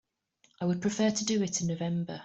I would prefer to do it in November.